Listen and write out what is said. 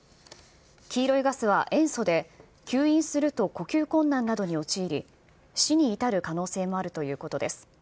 黄色いガスは塩素で、吸引すると呼吸困難などに陥り、死に至る可能性もあるということです。